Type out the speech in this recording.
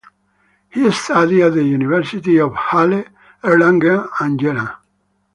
He studied at the universities of Halle, Erlangen and Jena.